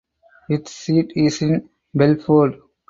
Its seat is in Belfort.